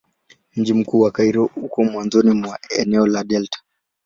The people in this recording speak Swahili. Mji mkuu wa Kairo uko mwanzoni mwa eneo la delta.